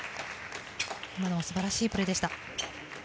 今のは素晴らしいプレーでした。